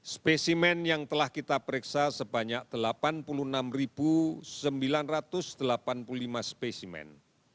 spesimen yang telah kita periksa sebanyak delapan puluh enam sembilan ratus delapan puluh lima spesimen